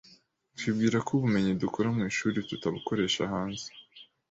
twibwira ko ubumenyi dukura mu ishuri tutabukoresha hanze'